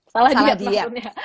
salah diet maksudnya